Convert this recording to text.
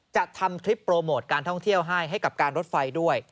จะทำคลิปโปรโมทการท่องเที่ยวให้ให้กับการรถไฟด้วย